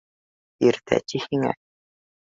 — Иртә, ти, һиңә